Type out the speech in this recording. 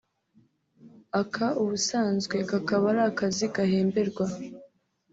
aka ubusanzwe kakaba ari akazi gahemberwa